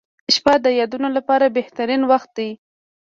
• شپه د یادونو لپاره بهترین وخت دی.